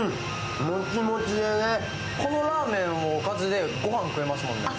このラーメンで御飯食えますもんね。